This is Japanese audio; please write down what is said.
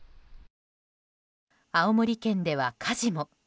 青森県では火事も。